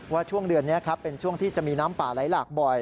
ช่วงเดือนนี้ครับเป็นช่วงที่จะมีน้ำป่าไหลหลากบ่อย